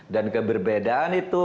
dan keberbedaan itu